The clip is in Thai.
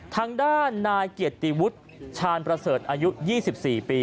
ทางด้านนายเกียรติวุฒิชาญประเสริฐอายุ๒๔ปี